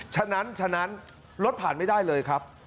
ฉะนั้นฉะนั้นรถผ่านไม่ได้เลยครับ